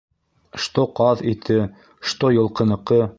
Што ҡаҙ ите, што йылҡыныҡы.